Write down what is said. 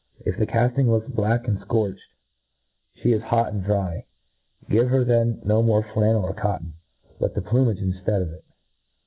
If the caftiilg looks black and fcorched, flie is hot* and dry; give her then no more flannel or cotton, but plumage inftead of it.